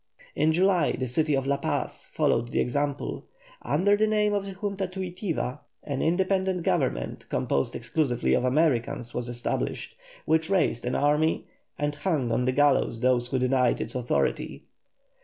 In July the city of La Paz followed the example. Under the name of the Junta Tuitiva, an independent government composed exclusively of Americans was established, which raised an army, and hung on a gallows those who denied its authority.